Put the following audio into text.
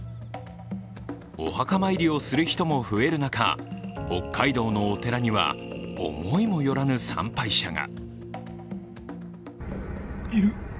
お墓参りをする人も増える中北海道のお寺には思いもよらぬ参拝者が。